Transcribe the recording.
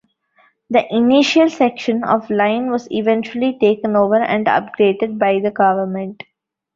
The initial section of line was eventually taken over and upgraded by the government.